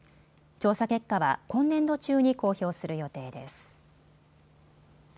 調査結果は今年度中に公表する予定です。